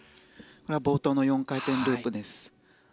冒頭の４回転ループです。